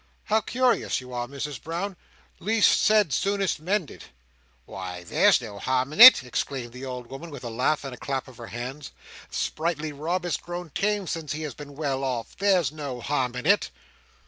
How curious you are, Misses Brown! Least said, soonest mended." "Why there's no harm in it!" exclaimed the old woman, with a laugh, and a clap of her hands. "Sprightly Rob, has grown tame since he has been well off! There's no harm in it."